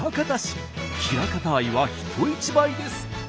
枚方愛は人一倍です。